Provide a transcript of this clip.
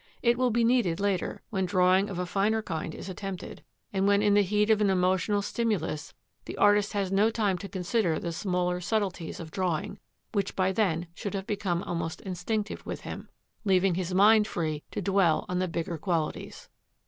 It will be needed later, when drawing of a finer kind is attempted, and when in the heat of an emotional stimulus the artist has no time to consider the smaller subtleties of drawing, which by then should have become almost instinctive with him, leaving his mind free to dwell on the bigger qualities.